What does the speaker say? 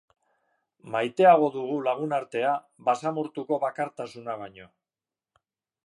Maiteago dugu lagunartea basamortuko bakartasuna baino.